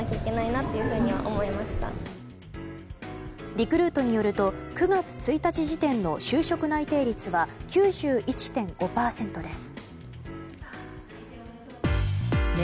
リクルートによりますと９月１日時点の就職内定率は９１．５％です。